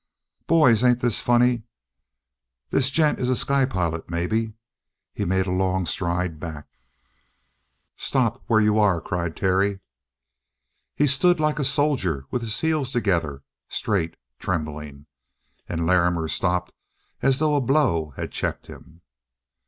"Boys, ain't this funny? This gent is a sky pilot, maybe?" He made a long stride back. "Stop where you are!" cried Terry. He stood like a soldier with his heels together, straight, trembling. And Larrimer stopped as though a blow had checked him.